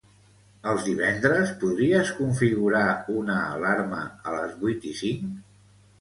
Els divendres podries configurar una alarma a les vuit i cinc?